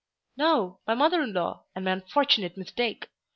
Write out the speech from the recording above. "No;—my mother in law—and my unfortunate mistake!